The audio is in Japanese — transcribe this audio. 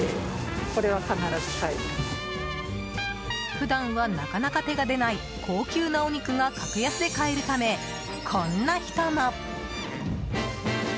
普段は、なかなか手が出ない高級なお肉が格安で買えるためこんな人も。